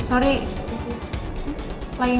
cantik banget ya